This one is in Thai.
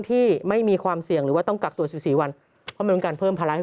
ที่ไม่มีความเสี่ยงหรือว่าต้องกักตรวจสี่สี่วันเพิ่มภาระให้